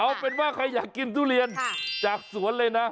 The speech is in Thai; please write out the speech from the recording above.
เอาเป็นว่าใครอยากกินทุเรียนจากสวนเลยนะ